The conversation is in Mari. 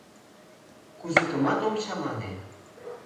Кузыкымат ом чамане.